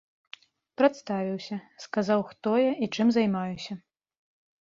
Прадставіўся, сказаў, хто я і чым займаюся.